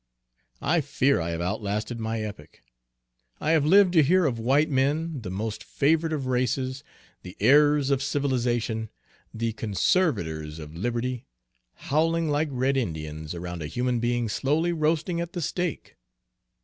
I fear I have outlasted my epoch, I have lived to hear of white men, the most favored of races, the heirs of civilization, the conservators of liberty, howling like red Indians around a human being slowly roasting at the stake."